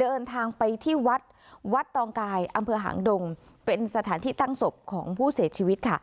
เดินทางไปที่วัดวัดตองกายอำเภอหางดงเป็นสถานที่ตั้งศพของผู้เสียชีวิตค่ะ